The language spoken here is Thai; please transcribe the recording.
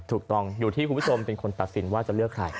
ถูกต้องอยู่ที่คุณผู้ชมเป็นคนตัดสินว่าจะเลือกใคร